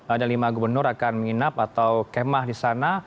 ada lima gubernur akan menginap atau kemah di sana